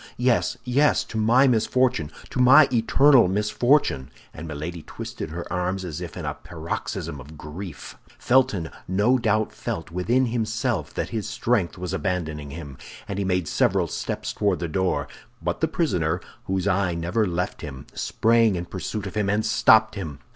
Yes, yes! to my misfortune, to my eternal misfortune!" and Milady twisted her arms as if in a paroxysm of grief. Felton no doubt felt within himself that his strength was abandoning him, and he made several steps toward the door; but the prisoner, whose eye never left him, sprang in pursuit of him and stopped him.